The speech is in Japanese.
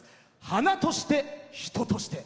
「花として人として」。